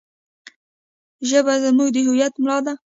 ژبه زموږ د هویت ملا ده.